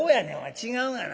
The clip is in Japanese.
違うがな。